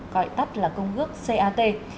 gọi tắt là công an nhân dân